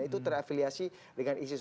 itu terafiliasi dengan isis